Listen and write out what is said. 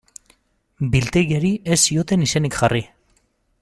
Biltegiari ez zioten izenik jarri.